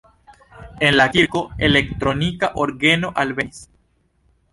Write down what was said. En la kirko elektronika orgeno alvenis.